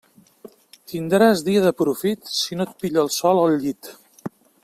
Tindràs dia de profit si no et pilla el sol al llit.